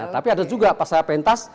tapi ada juga pas saya peintas